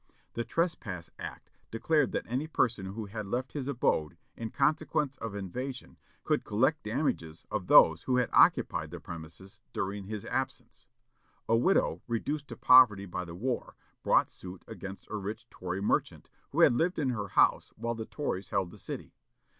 The "Trespass Act" declared that any person who had left his abode in consequence of invasion could collect damages of those who had occupied the premises during his absence. A widow, reduced to poverty by the war, brought suit against a rich Tory merchant, who had lived in her house while the Tories held the city.